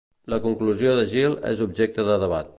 La conclusió de Jeal és objecte de debat.